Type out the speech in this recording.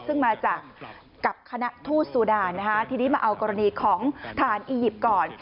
ซึ่งมาจากกับคณะทูตสุดานะคะทีนี้มาเอากรณีของทหารอียิปต์ก่อน